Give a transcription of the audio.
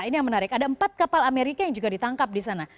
ini yang menarik ada empat kapal amerika yang juga ditangkap di sana